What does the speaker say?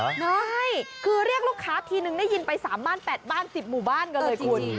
ใช่คือเรียกลูกค้าทีนึงได้ยินไป๓บ้าน๘บ้าน๑๐หมู่บ้านกันเลยจริง